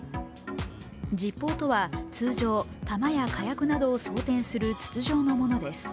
実包とは、通常弾や火薬などを装填する筒状のものです。